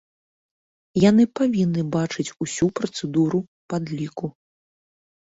Яны павінны бачыць усю працэдуру падліку.